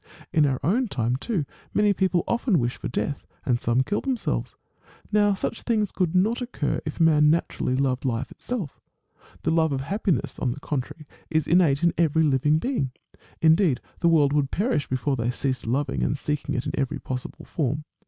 In our own time too many people often wish for death, and some kill themselves. Now such things could not occur if man naturally loved life itself. The love of happiness, on the contrary, is innate in every living being ; indeed the world would perish before they ceased loving and seeking it in every possible form.